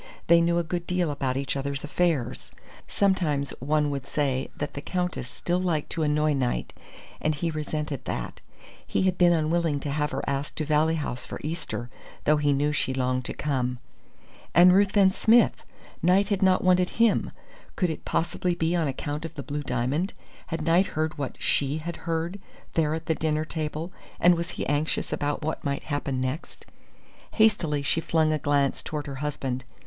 They knew a good deal about each other's affairs. Sometimes one would say that the Countess still liked to annoy Knight, and he resented that. He had been unwilling to have her asked to Valley House for Easter, though he knew she longed to come. And Ruthven Smith! Knight had not wanted him. Could it possibly be on account of the blue diamond? Had Knight heard what she had heard there at the dinner table, and was he anxious about what might happen next? Hastily she flung a glance toward her husband.